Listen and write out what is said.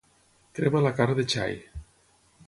Crema la carn de xai.